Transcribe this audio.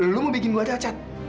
lu mau bikin gua cacat